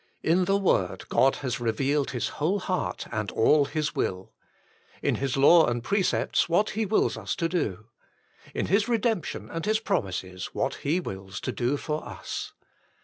In the word God has revealed His whole heart and all His will : in His law and precepts what He wills us to do : in His redemption and His promises what He wills to do for us.